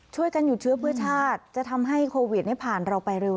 ช่วยกันหยุดเชื้อเพื่อชาติจะทำให้โควิดผ่านเราไปเร็ว